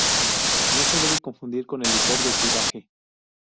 No se debe confundir con el licor de tiraje.